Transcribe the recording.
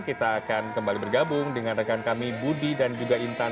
kita akan kembali bergabung dengan rekan kami budi dan juga intan